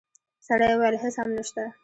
سړی وویل: هیڅ هم نشته.